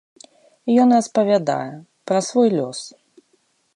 Ён распавядае, пра свой лёс.